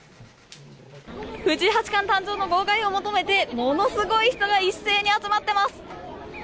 藤井八冠誕生の号外を求めてものすごい人が一斉に集まってます！